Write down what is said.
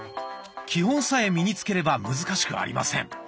基本さえ身につければ難しくありません。